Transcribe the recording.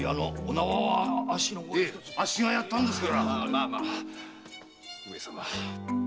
まあまあ上様。